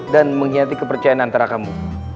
dan mengkhianati kepercayaan antara kamu